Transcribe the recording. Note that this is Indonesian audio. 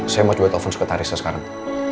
saya mau coba telepon sekitar rissa sekarang